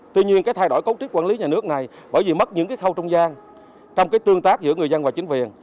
tuy nhiên cái thay đổi cấu trúc quản lý nhà nước này bởi vì mất những cái khâu trung gian trong cái tương tác giữa người dân và chính quyền